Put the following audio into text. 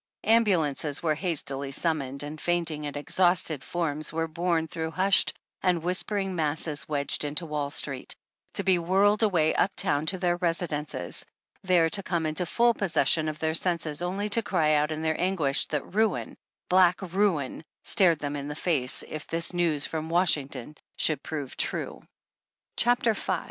Ambulances were hastily summoned and fainting and exhausted forms were borne through hushed and whispering masses wedged into Wall street, to be whirled away uptown to their residences, there to come into full possession of their senses only to cry out in their anguish that ^/ruin, black ruin, stared them in the face if this news from Washington should prove true. CHAPTER V.